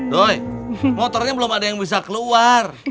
doy motornya belum ada yang bisa keluar